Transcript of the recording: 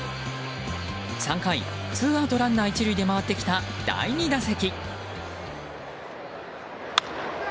３回、ツーアウトランナー１塁で回ってきた第２打席。